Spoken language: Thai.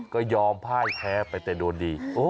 ก็ยอมพ่ายแพ้ไปแต่โดนดี